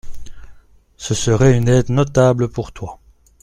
Ce serait une aide notable pour toi.